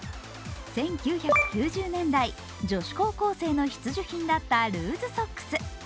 １９９０年代、女子高校生の必需品だったルーズソックス。